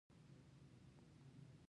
روبوټونه د انسان کار کوي